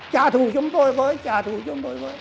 trả thù chúng tôi với trả thù chúng tôi